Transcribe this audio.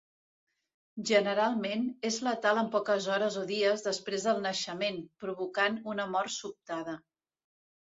Generalment, és letal en poques hores o dies després del naixement, provocant una mort sobtada.